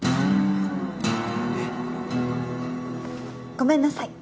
えっ？ごめんなさい。